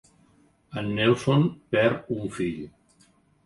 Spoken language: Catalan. En Nelson perd un fill.